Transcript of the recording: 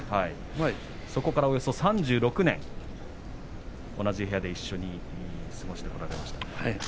そこからおよそ３６年、同じ部屋で一緒に過ごしてこられました。